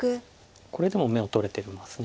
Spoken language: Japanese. これでも眼を取れてます。